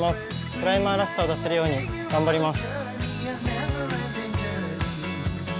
クライマーらしさを出せるように頑張ります。